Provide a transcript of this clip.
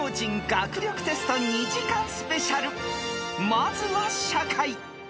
［まずは社会］